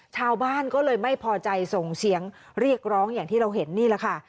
ชาวบ้านก็เลยไม่พอใจส่งเสียงเรียกร้องอย่างที่เราเห็นนี่แหละค่ะ